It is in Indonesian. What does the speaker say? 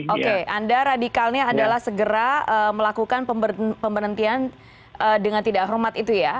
oke anda radikalnya adalah segera melakukan pemberhentian dengan tidak hormat itu ya